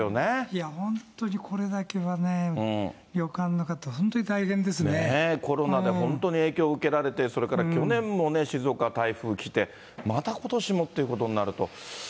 いや、本当にこれだけはね、旅館の方、コロナで本当に影響受けられて、それから去年も静岡、台風来て、またことしもっていうことになると。